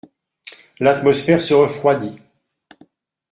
L’atmosphère se refroidit.